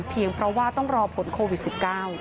เพราะว่าต้องรอผลโควิด๑๙